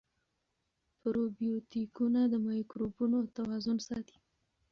پروبیوتیکونه د مایکروبونو توازن ساتي.